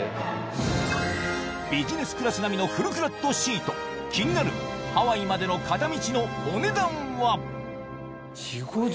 ビジネスクラス並みのフルフラットシート気になるハワイまでの片道のお値段は？